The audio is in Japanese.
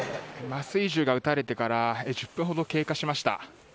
麻酔銃が撃たれてから１０分ほど経過しました。